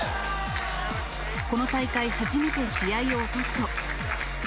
この大会初めて試合を落とすと。